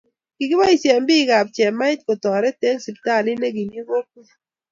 Kikibaisie biik ab chamait kotoret eng siptalit nikimii kokwet